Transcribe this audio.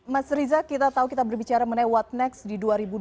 mas riza kita tahu kita berbicara menewat next di dua ribu dua puluh satu